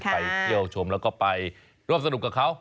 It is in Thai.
ไปเที่ยวชมแล้วก็ไปร่วมสนุกกับเขา